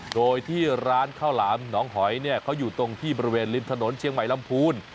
โดยที่ร้านข้าวหลามหนองหอยเนี่ยเขาอยู่ตรงที่บริเวณริมถนนเชียงใหม่ลำพูน